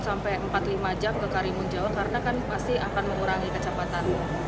sampai empat lima jam ke karimun jawa karena kan pasti akan mengurangi kecepatan